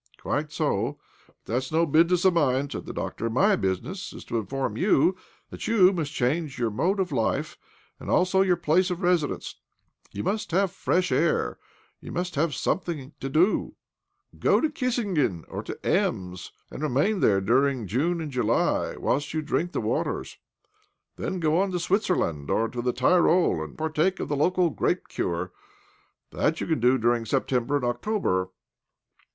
" Quite so, but that is no business of mine," said the doctor. " My business is to inform you that you must change your mode of life, and also your place of resi dence. You must have fresh air— you must have something to do. Go to Kissingen or to Ems, and remain there during June and July, whilst you drink the wa, ters. Then go on to Switzerland, or to the Tyrol, and partake of the local grape cure. That you can do during September and October."